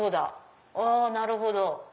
あなるほど。